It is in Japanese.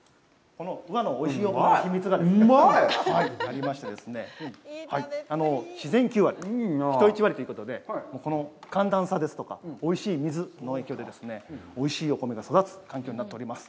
この宇和のおいしいお米の秘密がありまして、自然９割、人１割ということで、この寒暖差ですとか、おいしい水の影響でおいしいお米が育つ環境になっています。